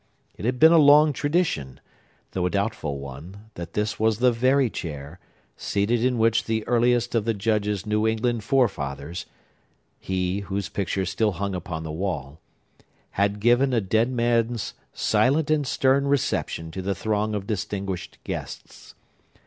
It had been a long tradition, though a doubtful one, that this was the very chair, seated in which the earliest of the Judge's New England forefathers—he whose picture still hung upon the wall—had given a dead man's silent and stern reception to the throng of distinguished guests.